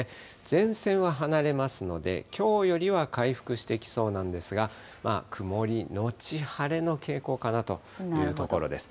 前線は離れますので、きょうよりは回復してきそうなんですが、曇り後晴れの傾向かなというところです。